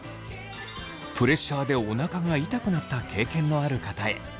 プレッシャーでお腹が痛くなった経験のある方へ。